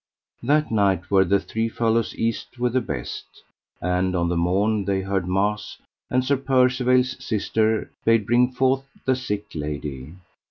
That night were the three fellows eased with the best; and on the morn they heard mass, and Sir Percivale's sister bade bring forth the sick lady.